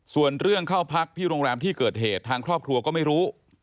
ส่วนเรื่องเข้าพักที่โรงแรมที่เกิดเหตุทางครอบครัวก็ไม่รู้